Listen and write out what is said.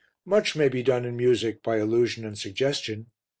Much may be done in music by allusion and suggestion.